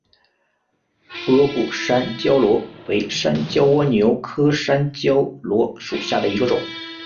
波部山椒螺为山椒蜗牛科山椒螺属下的一个种。